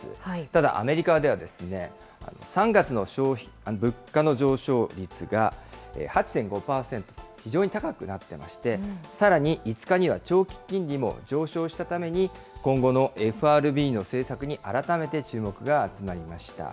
ただ、アメリカでは３月の物価の上昇率が８．５％、非常に高くなってまして、さらに、５日には長期金利も上昇したために、今後のＦＲＢの政策に改めて注目が集まりました。